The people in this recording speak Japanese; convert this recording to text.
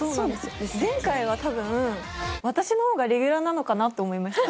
前回は多分私の方がレギュラーなのかな？と思いました。